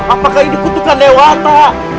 apakah ini kutukan lewata